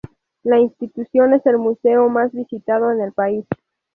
La institución es el museo más visitado en el país.